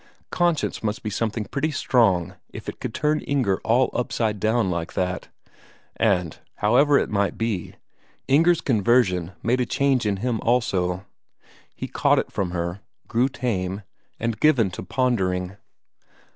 Conscience must be something pretty strong if it could turn Inger all upside down like that. And however it might be, Inger's conversion made a change in him also; he caught it from her, grew tame, and given to pondering.